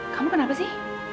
kamu kenapa sih